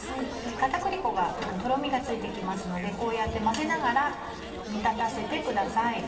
片栗粉がとろみがついて来ますのでこうやって混ぜながら煮立たせてください。